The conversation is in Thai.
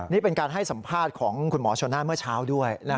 นี่เป็นการให้สัมภาษณ์ของคุณหมอชนน่าเมื่อเช้าด้วย